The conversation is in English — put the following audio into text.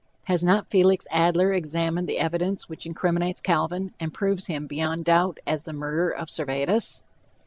Has not Felix Adler examined the evidence which incriminates Calvin and proves him beyond doubt as the murderer of Servetus?